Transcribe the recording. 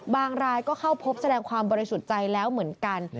รายก็เข้าพบแสดงความบริสุทธิ์ใจแล้วเหมือนกัน